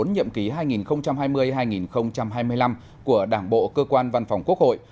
nhiệm ký hai nghìn hai mươi hai nghìn hai mươi năm của đảng bộ cơ quan văn phòng quốc hội